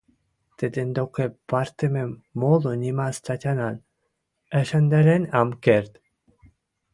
тӹдӹн докы пыртымым моло нима статянат ӓшӹндӓрен ам керд.